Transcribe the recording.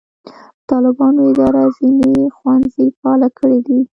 د طالبانو اداره ځینې ښوونځي فعاله کړي دي.